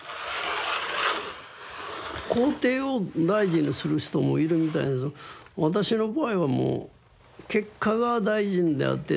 工程を大事にする人もいるみたいですけど私の場合はもう結果が大事であって。